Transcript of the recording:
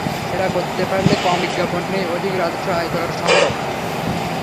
সেটা করতে পারলে কম বিজ্ঞাপনেই অধিক রাজস্ব আয় করা সম্ভব।